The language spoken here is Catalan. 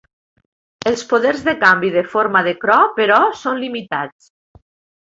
Els poders de canvi de forma de Kro, però, són limitats.